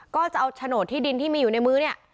ก็จะเอาโฉดที่ดินที่มีอยู่ในมื้อ